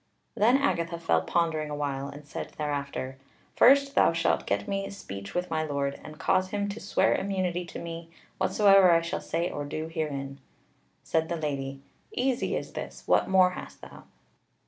Then Agatha fell pondering a while, and said thereafter: "First, thou shalt get me speech with my Lord, and cause him to swear immunity to me, whatsoever I shall say or do herein." Said the Lady: "Easy is this. What more hast thou?"